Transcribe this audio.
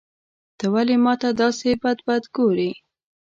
ته ولي ماته داسي بد بد ګورې.